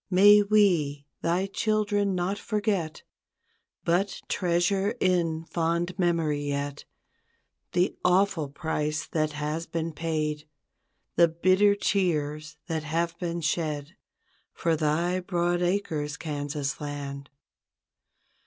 May we, thy children not forget. But treasure in fond memory yet. The awful price that has been paid. The bitter tears that have been shed For thy broad acres, Kansas Land.